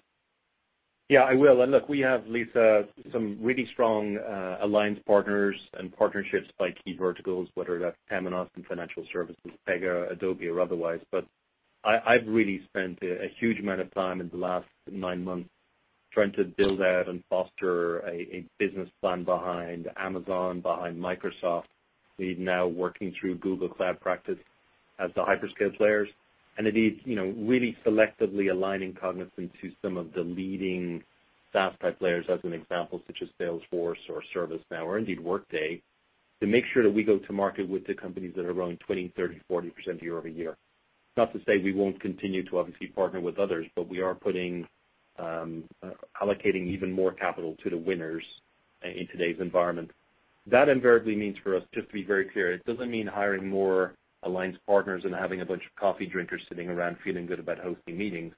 Yeah, I will. Look, we have, Lisa, some really strong alliance partners and partnerships by key verticals, whether that's Temenos in financial services, Pega, Adobe, or otherwise. I've really spent a huge amount of time in the last nine months trying to build out and foster a business plan behind Amazon, behind Microsoft. We're now working through Google Cloud practice as the hyperscale players, and indeed, really selectively aligning Cognizant to some of the leading SaaS-type players, as an example, such as Salesforce or ServiceNow or indeed Workday, to make sure that we go to market with the companies that are growing 20%, 30%, 40% year-over-year. Not to say we won't continue to obviously partner with others, we are allocating even more capital to the winners in today's environment. That invariably means for us, just to be very clear, it doesn't mean hiring more alliance partners and having a bunch of coffee drinkers sitting around feeling good about hosting meetings.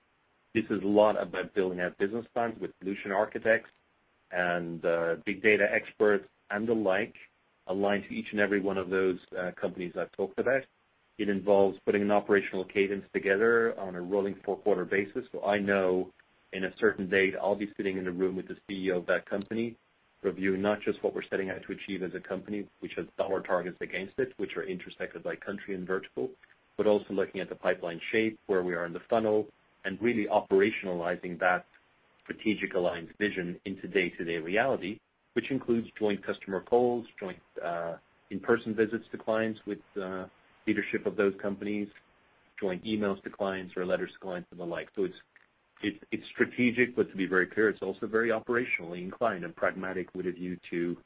This is a lot about building out business plans with solution architects and big data experts and the like, aligned to each and every one of those companies I've talked about. It involves putting an operational cadence together on a rolling four-quarter basis so I know in a certain date I'll be sitting in a room with the CEO of that company, reviewing not just what we're setting out to achieve as a company, which has dollar targets against it, which are intersected by country and vertical, but also looking at the pipeline shape, where we are in the funnel, and really operationalizing that strategic alliance vision into day-to-day reality, which includes joint customer calls, joint in-person visits to clients with leadership of those companies, joint emails to clients or letters to clients, and the like. It's strategic, but to be very clear, it's also very operationally inclined and pragmatic with a view to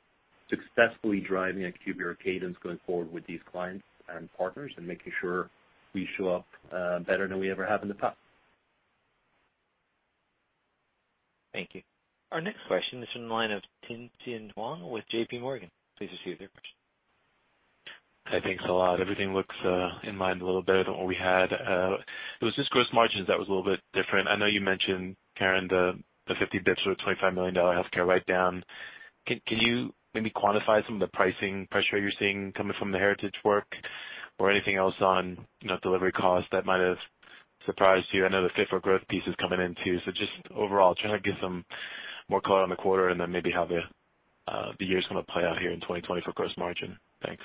successfully driving a CUBIC or cadence going forward with these clients and partners and making sure we show up better than we ever have in the past. Thank you. Our next question is from the line of Tien-Tsin Huang with JPMorgan. Please proceed with your question. Hi, thanks a lot. Everything looks in line a little better than what we had. It was just gross margins that was a little bit different. I know you mentioned, Karen, the 50 basis points or the $25 million healthcare write-down. Can you maybe quantify some of the pricing pressure you're seeing coming from the heritage work or anything else on delivery costs that might have surprised you? I know the Fit for Growth piece is coming in, too. Just overall, trying to get some more color on the quarter and then maybe how the year's going to play out here in 2020 for gross margin. Thanks.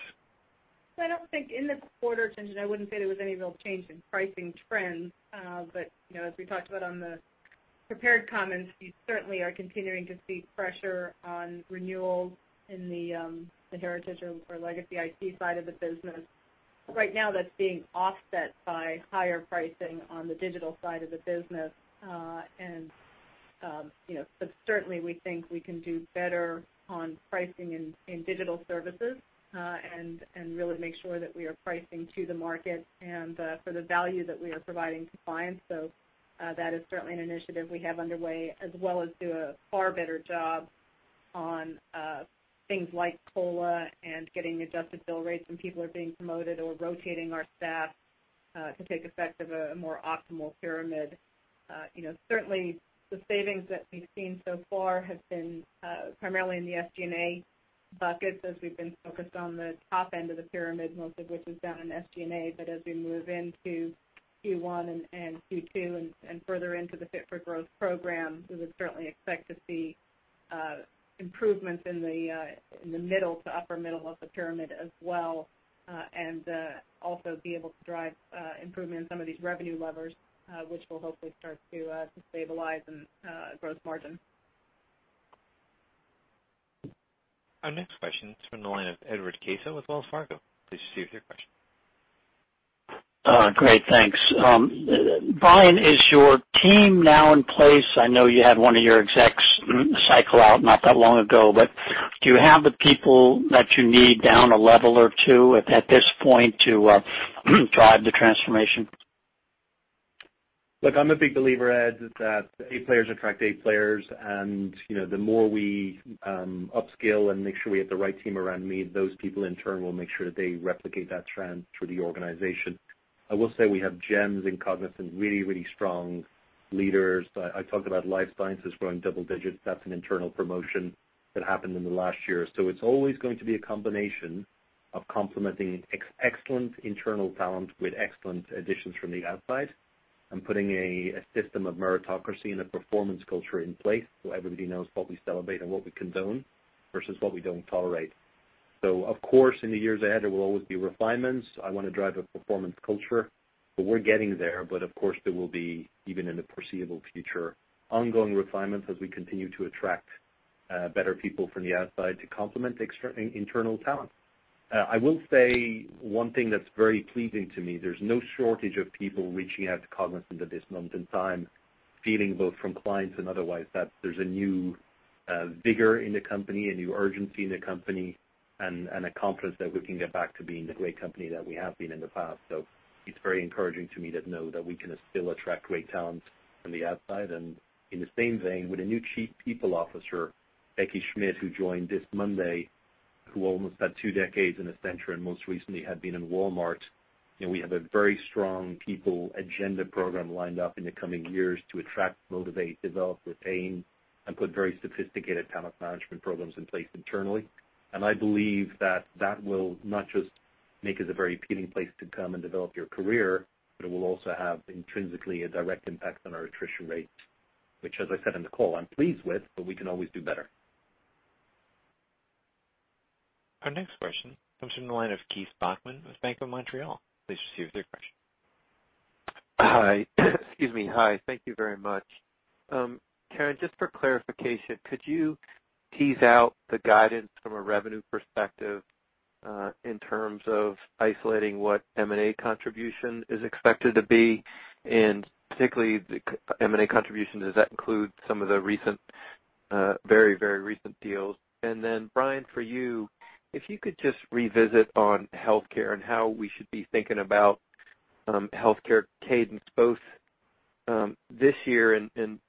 I don't think in the quarter, Tien-Tsin, I wouldn't say there was any real change in pricing trends. As we talked about on the prepared comments, we certainly are continuing to see pressure on renewals in the heritage or legacy IT side of the business. Right now, that's being offset by higher pricing on the digital side of the business. Certainly, we think we can do better on pricing in digital services, and really make sure that we are pricing to the market and for the value that we are providing to clients. That is certainly an initiative we have underway as well as do a far better job on things like COLA and getting adjusted bill rates when people are being promoted or rotating our staff to take effect of a more optimal pyramid. Certainly, the savings that we've seen so far have been primarily in the SG&A buckets as we've been focused on the top end of the pyramid, most of which is down in SG&A. As we move into Q1 and Q2 and further into the Fit for Growth program, we would certainly expect to see improvements in the middle to upper middle of the pyramid as well, and also be able to drive improvement in some of these revenue levers, which will hopefully start to stabilize in gross margin. Our next question is from the line of Edward Caso with Wells Fargo. Please proceed with your question. Great, thanks. Brian, is your team now in place? I know you had one of your execs cycle out not that long ago, but do you have the people that you need down a level or two at this point to drive the transformation? Look, I'm a big believer, Ed, that A players attract A players, and the more we upskill and make sure we have the right team around me, those people, in turn, will make sure that they replicate that trend through the organization. I will say we have gems in Cognizant, really strong leaders. I talked about life sciences growing double digits. That's an internal promotion that happened in the last year. It's always going to be a combination of complementing excellent internal talent with excellent additions from the outside and putting a system of meritocracy and a performance culture in place so everybody knows what we celebrate and what we condone versus what we don't tolerate. Of course, in the years ahead, there will always be refinements. I want to drive a performance culture, but we're getting there. Of course, there will be, even in the foreseeable future, ongoing refinements as we continue to attract better people from the outside to complement the internal talent. I will say one thing that's very pleasing to me, there's no shortage of people reaching out to Cognizant at this moment in time, feeling both from clients and otherwise, that there's a new vigor in the company, a new urgency in the company, and a confidence that we can get back to being the great company that we have been in the past. It's very encouraging to me to know that we can still attract great talent from the outside. In the same vein, with a new Chief People Officer, Becky Schmitt, who joined this Monday, who almost had two decades in Accenture and most recently had been in Walmart, we have a very strong people agenda program lined up in the coming years to attract, motivate, develop, retain, and put very sophisticated talent management programs in place internally. I believe that will not just make us a very appealing place to come and develop your career, but it will also have intrinsically a direct impact on our attrition rate, which, as I said in the call, I'm pleased with, but we can always do better. Our next question comes from the line of Keith Bachman with Bank of Montreal. Please proceed with your question. Hi. Excuse me. Hi, thank you very much. Karen, just for clarification, could you tease out the guidance from a revenue perspective in terms of isolating what M&A contribution is expected to be, and particularly the M&A contribution, does that include some of the very recent deals? Brian, for you, if you could just revisit on healthcare and how we should be thinking about healthcare cadence, both this year and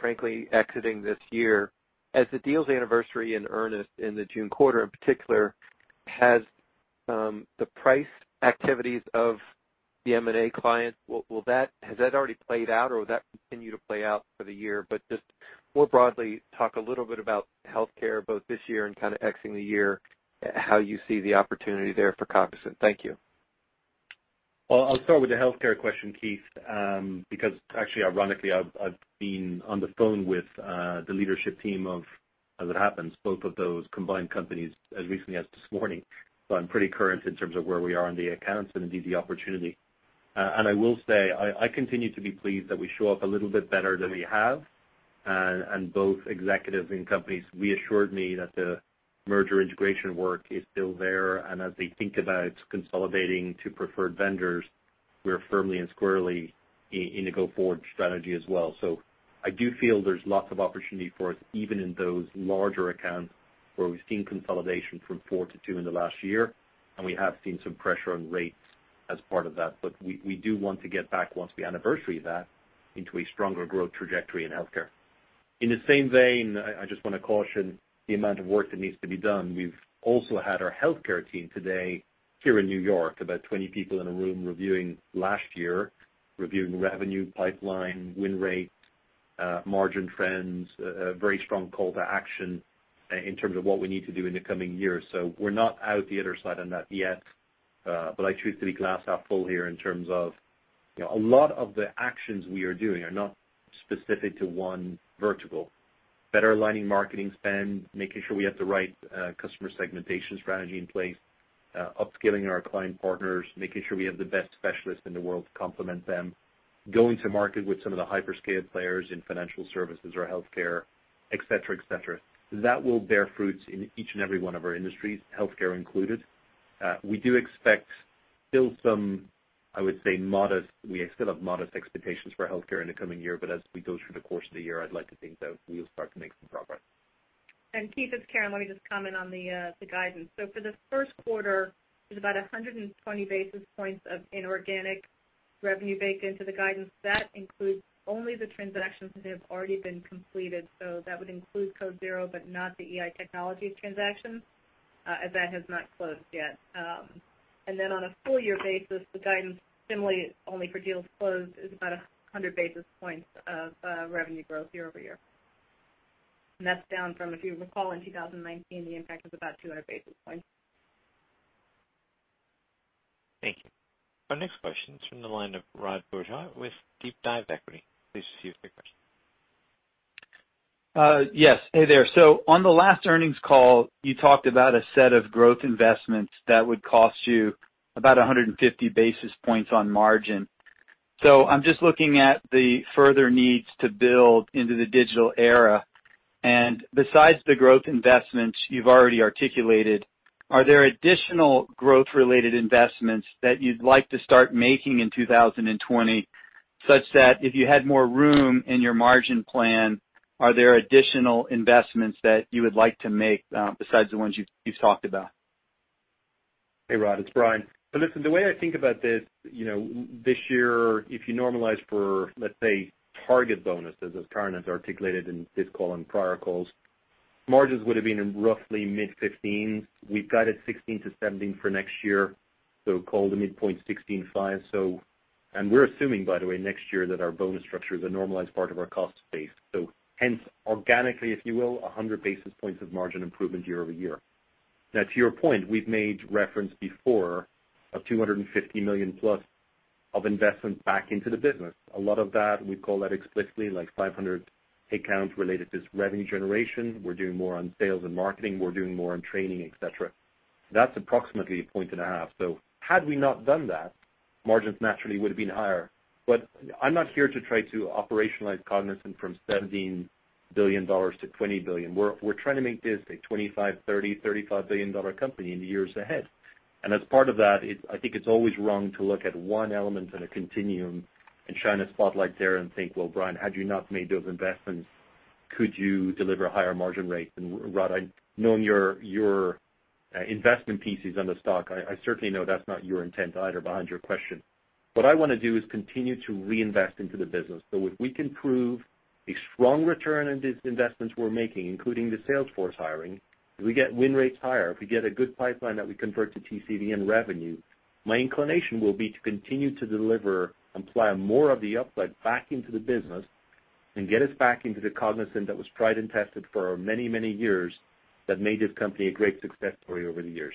frankly exiting this year. As the deal's anniversary in earnest in the June quarter, in particular, has the price activities of the M&A client, has that already played out or will that continue to play out for the year? Just more broadly, talk a little bit about healthcare both this year and kind of exiting the year, how you see the opportunity there for Cognizant. Thank you. Well, I'll start with the healthcare question, Keith, because actually, ironically, I've been on the phone with the leadership team of, as it happens, both of those combined companies as recently as this morning. I'm pretty current in terms of where we are on the accounts and indeed the opportunity. I will say, I continue to be pleased that we show up a little bit better than we have. Both executives and companies reassured me that the merger integration work is still there, and as they think about consolidating to preferred vendors, we're firmly and squarely in the go-forward strategy as well. I do feel there's lots of opportunity for us, even in those larger accounts where we've seen consolidation from four to two in the last year, and we have seen some pressure on rates as part of that. We do want to get back, once we anniversary that, into a stronger growth trajectory in healthcare. In the same vein, I just want to caution the amount of work that needs to be done. We've also had our healthcare team today here in New York, about 20 people in a room reviewing last year, reviewing revenue pipeline, win rates, margin trends, a very strong call to action in terms of what we need to do in the coming years. We're not out the other side on that yet. I choose to be glass half full here in terms of, a lot of the actions we are doing are not specific to one vertical. Better aligning marketing spend, making sure we have the right customer segmentation strategy in place, upskilling our client partners, making sure we have the best specialists in the world to complement them, going to market with some of the hyperscale players in financial services or healthcare, et cetera. That will bear fruits in each and every one of our industries, healthcare included. We do expect still some, I would say modest, we still have modest expectations for healthcare in the coming year, but as we go through the course of the year, I'd like to think that we'll start to make some progress. Keith, it's Karen. Let me just comment on the guidance. For the first quarter, there's about 120 basis points of inorganic revenue baked into the guidance. That includes only the transactions that have already been completed. That would include Code Zero, but not the EI-Technologies transaction, as that has not closed yet. Then on a full-year basis, the guidance similarly, only for deals closed, is about 100 basis points of revenue growth year over year. That's down from, if you recall, in 2019, the impact was about 200 basis points. Thank you. Our next question is from the line of Rod Bourgeois with Deep Dive Equity Research. Please proceed with your question. Yes. Hey there. On the last earnings call, you talked about a set of growth investments that would cost you about 150 basis points on margin. I'm just looking at the further needs to build into the digital era, and besides the growth investments you've already articulated, are there additional growth-related investments that you'd like to start making in 2020, such that if you had more room in your margin plan, are there additional investments that you would like to make, besides the ones you've talked about? Hey, Rod, it's Brian. Listen, the way I think about this year, if you normalize for, let's say, target bonuses, as Karen has articulated in this call and prior calls, margins would've been in roughly mid-15. We've guided 16-17 for next year, call the midpoint 16.5. We're assuming, by the way, next year that our bonus structure is a normalized part of our cost base. Hence, organically, if you will, 100 basis points of margin improvement year-over-year. Now to your point, we've made reference before of $250 million-plus of investment back into the business. A lot of that, we call that explicitly, like 500 headcount related to revenue generation. We're doing more on sales and marketing. We're doing more on training, et cetera. That's approximately a point and a half. Had we not done that, margins naturally would've been higher. I'm not here to try to operationalize Cognizant from $17 billion-$20 billion. We're trying to make this a $25 billion, $30 billion, $35 billion company in the years ahead. As part of that, I think it's always wrong to look at one element in a continuum and shine a spotlight there and think, "Well, Brian, had you not made those investments, could you deliver a higher margin rate?" Rod, knowing your investment pieces on the stock, I certainly know that's not your intent either behind your question. What I want to do is continue to reinvest into the business. If we can prove a strong return on these investments we're making, including the sales force hiring, if we get win rates higher, if we get a good pipeline that we convert to TCV and revenue, my inclination will be to continue to deliver and plow more of the uplift back into the business and get us back into the Cognizant that was tried and tested for our many years that made this company a great success story over the years.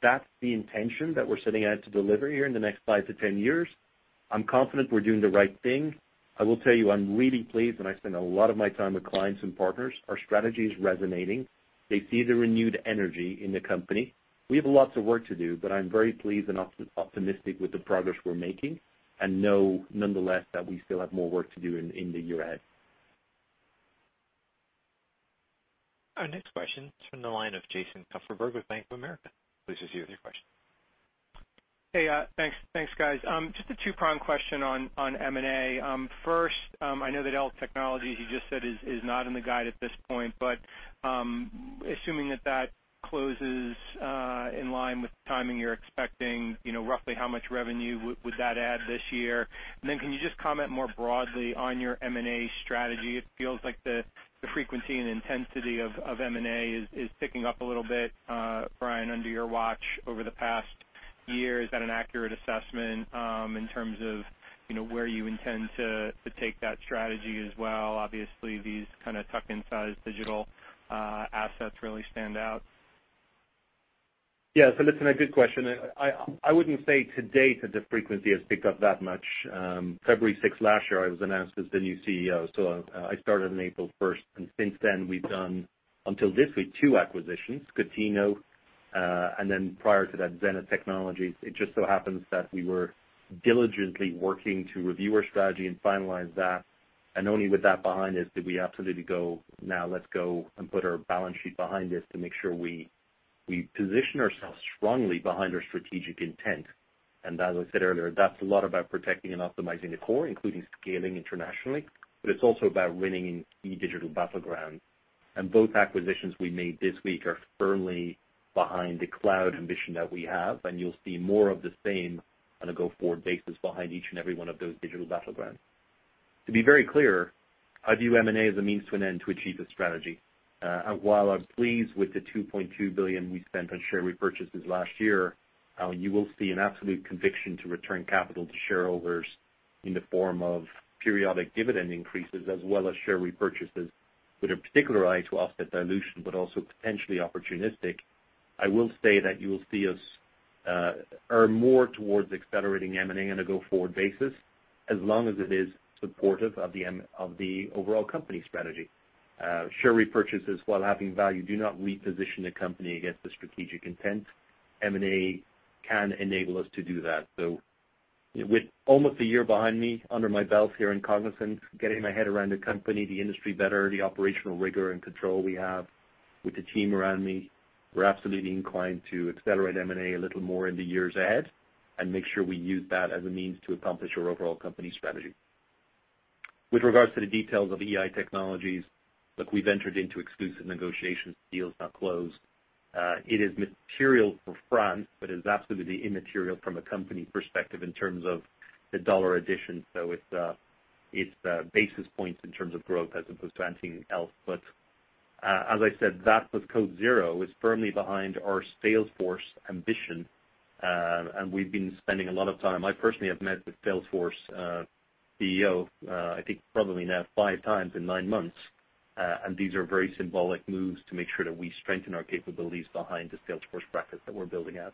That's the intention that we're setting out to deliver here in the next 5-10 years. I'm confident we're doing the right thing. I will tell you, I'm really pleased, and I spend a lot of my time with clients and partners. Our strategy is resonating. They see the renewed energy in the company. We have lots of work to do. I'm very pleased and optimistic with the progress we're making and know, nonetheless, that we still have more work to do in the year ahead. Our next question is from the line of Jason Kupferberg with Bank of America. Please proceed with your question. Hey. Thanks guys. Just a two-pronged question on M&A. First, I know that EI-Technologies, you just said is not in the guide at this point, but assuming that that closes in line with the timing you're expecting, roughly how much revenue would that add this year? Can you just comment more broadly on your M&A strategy? It feels like the frequency and intensity of M&A is ticking up a little bit, Brian, under your watch over the past year. Is that an accurate assessment in terms of where you intend to take that strategy as well? Obviously, these kind of tuck-in size digital assets really stand out. Listen, a good question. I wouldn't say to date that the frequency has picked up that much. February 6th last year, I was announced as the new CEO, so I started on April 1st. Since then, we've done, until this week, two acquisitions, Contino, and then prior to that, Zenith Technologies. It just so happens that we were diligently working to review our strategy and finalize that. Only with that behind us did we absolutely go, "Now let's go and put our balance sheet behind this to make sure we position ourselves strongly behind our strategic intent." As I said earlier, that's a lot about protecting and optimizing the core, including scaling internationally, but it's also about winning in key digital battlegrounds. Both acquisitions we made this week are firmly behind the cloud ambition that we have, and you'll see more of the same on a go-forward basis behind each and every one of those digital battlegrounds. To be very clear, I view M&A as a means to an end to achieve the strategy. While I'm pleased with the $2.2 billion we spent on share repurchases last year, you will see an absolute conviction to return capital to shareholders in the form of periodic dividend increases as well as share repurchases with a particular eye to offset dilution, but also potentially opportunistic. I will say that you will see us err more towards accelerating M&A on a go-forward basis, as long as it is supportive of the overall company strategy. Share repurchases, while having value, do not reposition the company against the strategic intent. M&A can enable us to do that. With almost a year behind me under my belt here in Cognizant, getting my head around the company, the industry better, the operational rigor and control we have with the team around me, we're absolutely inclined to accelerate M&A a little more in the years ahead and make sure we use that as a means to accomplish our overall company strategy. With regards to the details of the EI-Technologies, look, we've entered into exclusive negotiations, the deal's not closed. It is material for France, but is absolutely immaterial from a company perspective in terms of the dollar addition. It's basis points in terms of growth as opposed to anything else. As I said, that with Code Zero is firmly behind our Salesforce ambition. We've been spending a lot of time I personally have met with Salesforce CEO, I think probably now five times in nine months. These are very symbolic moves to make sure that we strengthen our capabilities behind the Salesforce bracket that we're building out.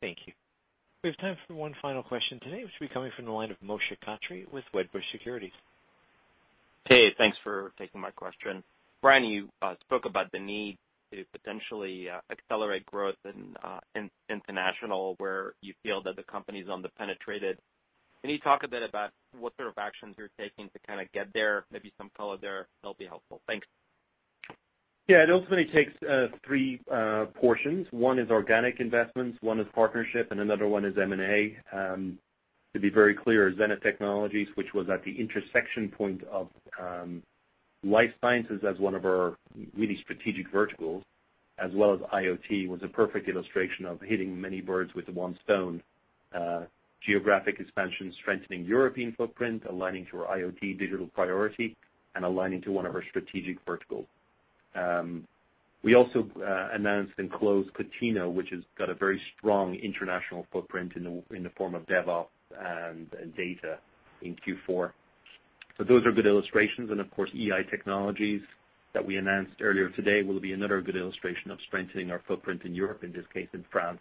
Thank you. We have time for one final question today, which will be coming from the line of Moshe Katri with Wedbush Securities. Hey, thanks for taking my question. Brian, you spoke about the need to potentially accelerate growth in international, where you feel that the company's under-penetrated. Can you talk a bit about what sort of actions you're taking to kind of get there? Maybe some color there. That'll be helpful. Thanks. Yeah, it ultimately takes three portions. One is organic investments, one is partnership, and another one is M&A. To be very clear, Zenith Technologies, which was at the intersection point of life sciences as one of our really strategic verticals, as well as IoT, was a perfect illustration of hitting many birds with one stone. Geographic expansion, strengthening European footprint, aligning to our IoT digital priority, and aligning to one of our strategic verticals. We also announced and closed Catena, which has got a very strong international footprint in the form of DevOps and data in Q4. Those are good illustrations, and of course, EI-Technologies that we announced earlier today will be another good illustration of strengthening our footprint in Europe, in this case, in France.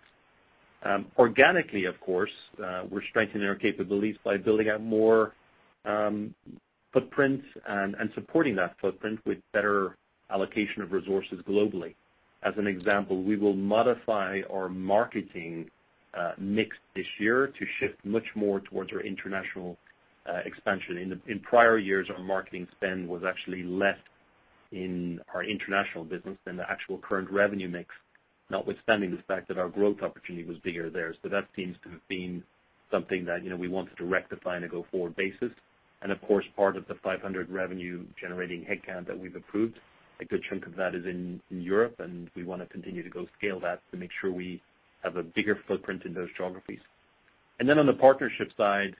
Organically, of course, we're strengthening our capabilities by building out more footprints and supporting that footprint with better allocation of resources globally. As an example, we will modify our marketing mix this year to shift much more towards our international expansion. In prior years, our marketing spend was actually less in our international business than the actual current revenue mix, notwithstanding the fact that our growth opportunity was bigger there. That seems to have been something that we wanted to rectify on a go-forward basis. Of course, part of the 500 revenue-generating headcount that we've approved, a good chunk of that is in Europe, and we want to continue to go scale that to make sure we have a bigger footprint in those geographies. On the partnership side,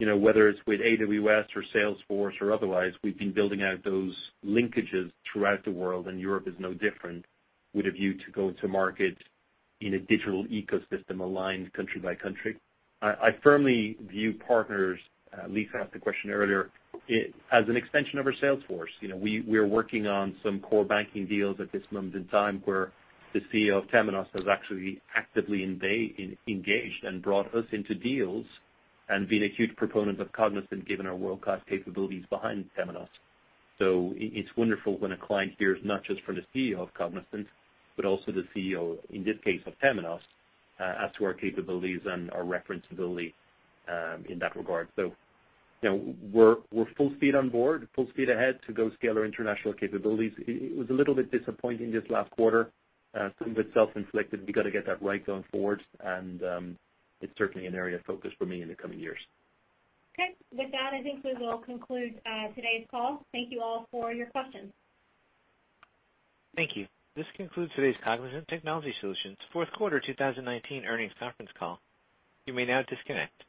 whether it's with AWS or Salesforce or otherwise, we've been building out those linkages throughout the world, and Europe is no different, with a view to go to market in a digital ecosystem aligned country by country. I firmly view partners, Lisa asked the question earlier, as an extension of our sales force. We're working on some core banking deals at this moment in time where the CEO of Temenos has actually actively engaged and brought us into deals and been a huge proponent of Cognizant given our world-class capabilities behind Temenos. It's wonderful when a client hears not just from the CEO of Cognizant, but also the CEO, in this case, of Temenos, as to our capabilities and our reference-ability in that regard. We're full speed on board, full speed ahead to go scale our international capabilities. It was a little bit disappointing this last quarter, some of it self-inflicted. We've got to get that right going forward, and it's certainly an area of focus for me in the coming years. Okay. With that, I think we will conclude today's call. Thank you all for your questions. Thank you. This concludes today's Cognizant Technology Solutions fourth quarter 2019 earnings conference call. You may now disconnect.